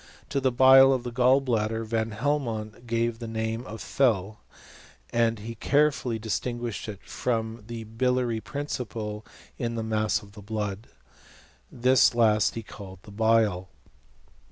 To the bile of the gall bladder, Van Hel mont gave the name of fel, and he carefully dis ■ tinguished it from the biliary principle in the mass of the blood. This last he called bile.